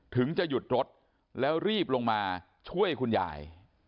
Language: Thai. ถึงจะหยุดรถแล้วรีบลงมาช่วยคุณยาย